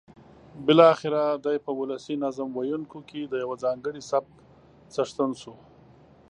بالاخره دی په ولسي نظم ویونکیو کې د یوه ځانګړي سبک څښتن شو.